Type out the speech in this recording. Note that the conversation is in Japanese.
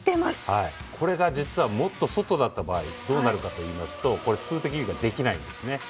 これが実は、もっと外だった場合どうなるかというと数的優位ができないんですね。